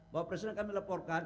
bahwa presiden kami laporkan